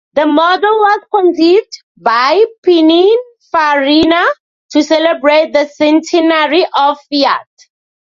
The model was conceived by Pininfarina to celebrate the centenary of Fiat.